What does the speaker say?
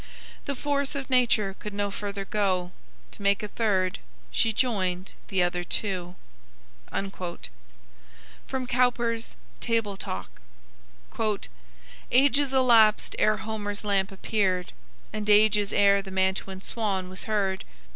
The force of nature could no further go; To make a third she joined the other two." From Cowper's "Table Talk": "Ages elapsed ere Homer's lamp appeared, And ages ere the Mantuan swan was heard.